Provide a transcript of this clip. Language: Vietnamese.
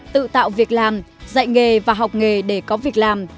tự tạo việc làm dạy nghề và học nghề để có việc làm